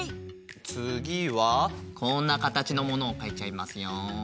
つぎはこんなかたちのものをかいちゃいますよ。